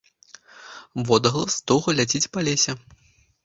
Водгалас доўга ляціць па лесе.